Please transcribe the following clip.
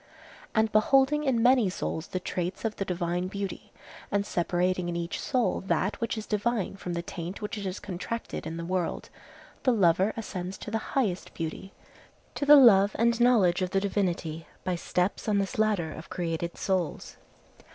And beholding in many souls the traits of the divine beauty, and separating in each soul that which is divine from the taint which it has contracted in the world, the lover ascends to the highest beauty, to the love and knowledge of the Divinity, by steps on this ladder of created souls.